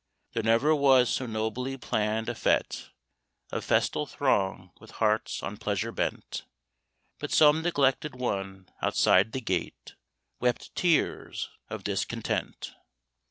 There never was so nobly planned a fête, Or festal throng with hearts on pleasure bent, But some neglected one outside the gate Wept tears of discontent.